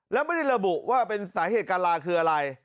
แล้วไม่ได้ระบุว่าเป็นสาเหตุการลาคืออะไร